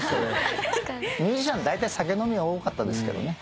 ミュージシャンだいたい酒飲みが多かったですけどね。